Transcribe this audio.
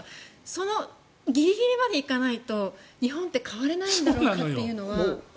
そのギリギリまで行かないと日本って変われないんだろうかというのは。